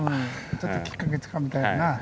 ちょっときっかけつかみたいよな。